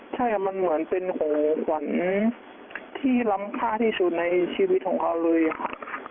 ใช่มันเหมือนเป็นของขวัญที่ล้ำค่าที่สุดในชีวิตของเขาเลยค่ะ